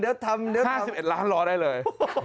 เดี๋ยว๓๑ล้านรอได้เลย